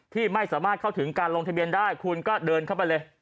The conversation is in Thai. ที่ไม่สามารถเข้าถึงการลงทะเบียนได้คุณก็เดินเข้าไปเลย